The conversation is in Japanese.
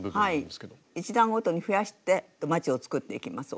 １段ごとに増やしてまちを作っていきます。